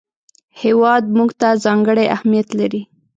هېواد موږ ته ځانګړی اهمیت لري